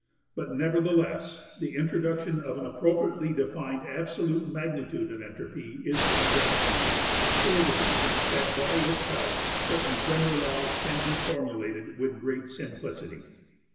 But nevertheless the introduction of an appropriately defined absolute magnitude of entropy is to be recommended, for the reason that by its help certain general laws can be formulated with great simplicity.